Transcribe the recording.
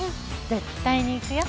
絶対に行くよ。